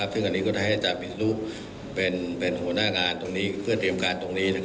ซึ่งอันนี้ก็ได้ให้อาจารย์วิศนุเป็นหัวหน้างานตรงนี้เพื่อเตรียมการตรงนี้